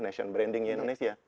nation branding nya indonesia